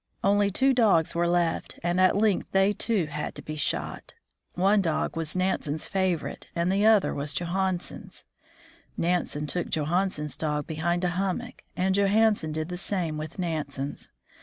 Only two dogs were left, and at length they too had to be shot. One dog was Nansen's favorite, and the other was Johansen's. Nansen took Johansen's dog behind a hummock, and Johansen did the same with Nansen's.